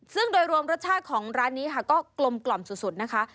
ซึ่งโดยรวมรสชาติของร้านนี้ค่ะก็กลมกล่อมสุดนะคะ